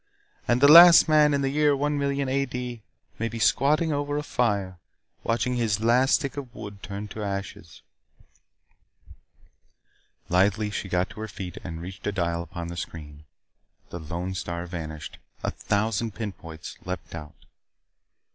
And the last man, in the year one million AD, may be squatting over a fire, watching his last stick of wood turn to ashes." Lithely she got to her feet and reached a dial upon the screen. The lone star vanished. A thousand pinpoints leaped out.